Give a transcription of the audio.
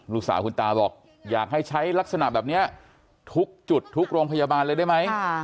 ลูกสาวคุณตาบอกอยากให้ใช้ลักษณะแบบนี้ทุกจุดทุกโรงพยาบาลเลยได้ไหม